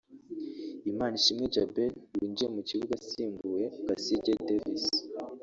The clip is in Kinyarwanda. Imanishimwe Djabel winjiye mu kibuga asimbuye Kasirye Davis